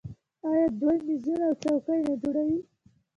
آیا دوی میزونه او څوکۍ نه جوړوي؟